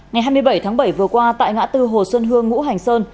ngày hai mươi bảy tháng bảy vừa qua tại ngã tư hồ xuân hương ngũ hành sơn